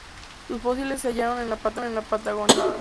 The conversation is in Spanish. Sus fósiles se hallaron en la Patagonia.